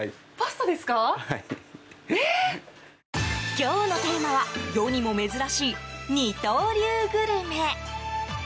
今日のテーマは世にも珍しい二刀流グルメ。